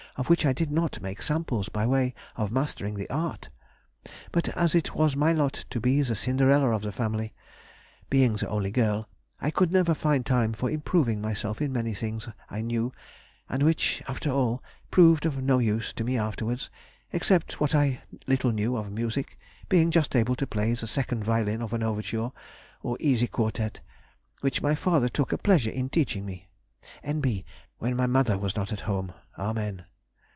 of which I did not make samples by way of mastering the art. But as it was my lot to be the Cinderella of the family (being the only girl) I could never find time for improving myself in many things I knew, and which, after all, proved of no use to me afterwards, except what little I knew of music, being just able to play the second violin of an overture or easy quartette, which my father took a pleasure in teaching me. N.B. When my mother was not at home. Amen.